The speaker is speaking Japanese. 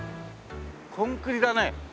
コンクリだね。